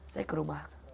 saya ke rumah